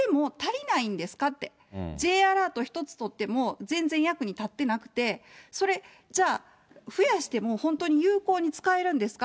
Ｊアラート一つ取っても、全然役に立ってなくて、それ、じゃあ、増やしても本当に有効に使えるんですか？